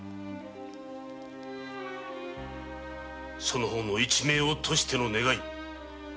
その方の一命をとしての願い